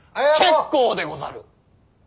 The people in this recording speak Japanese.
結構でござる。